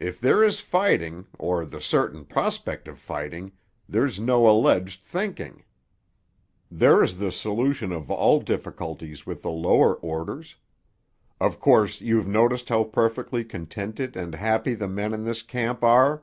If there is fighting, or the certain prospect of fighting, there's no alleged thinking. There's the solution of all difficulties with the lower orders. Of course you've noticed how perfectly contented and happy the men in this camp are?"